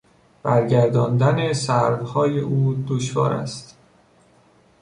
برگرداندن سروهای او دشوار است.